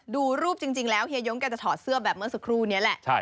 ดูรูปจริงแล้วเฮียยงแกจะถอดเสื้อแบบเมื่อสักครู่นี้แหละ